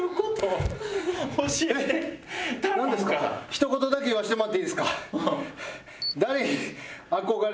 ひと言だけ言わせてもらっていいですか？